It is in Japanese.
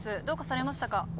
どうかされましたか？